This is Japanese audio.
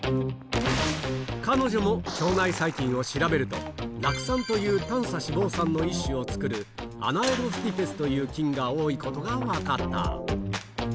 彼女も、腸内細菌を調べると、酪酸という短鎖脂肪酸の一種を作るアナエロスティペスという菌が多いことが分かった。